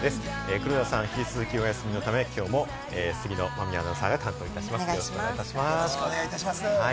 黒田さんは引き続きお休みのため、きょうも杉野真実アナウンサーが担当いたします、よろしくお願いいたします。